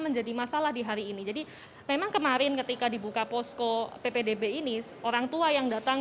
menjadi masalah di hari ini jadi memang kemarin ketika dibuka posko ppdb ini orangtua yang datang